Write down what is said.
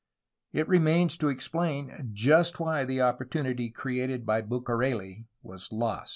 It remains to explain just why the oppor tunity created by Bucareli was lost.